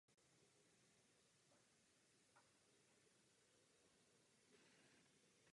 Vystudoval národní školu.